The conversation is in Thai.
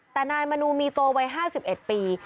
แต่นายมนูมีโตวัย๕๑ปี